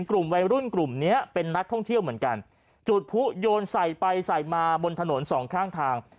กลุ่มวัยรุ่นกลุ่มเนี้ยเป็นนักท่องเที่ยวเหมือนกันจุดผู้โยนใส่ไปใส่มาบนถนนสองข้างทาง